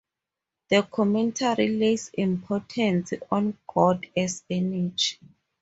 The commentary lays importance on God as energy.